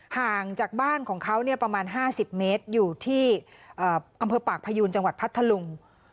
ห่างจากบ้านของเขาประมาณ๕๐เมตรอยู่ที่อำเภอปากพยูนจังหวัดพัทธลุง